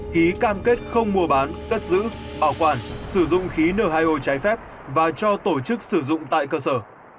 ký cam kết không mua bán cất giữ bảo quản sử dụng khí n hai o trái phép và cho tổ chức sử dụng tại cơ sở